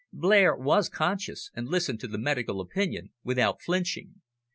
Blair was conscious, and listened to the medical opinion without flinching.